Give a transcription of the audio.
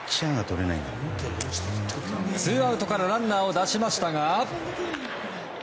ツーアウトからランナーを出しましたが。